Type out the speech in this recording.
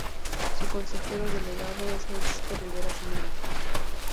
Su consejero delegado es Francisco Riberas Mera.